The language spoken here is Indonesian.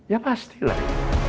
ya pasti lah